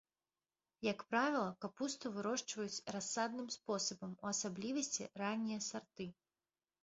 Як правіла, капусту вырошчваюць рассадным спосабам, у асаблівасці раннія сарты.